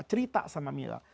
cerita sama mila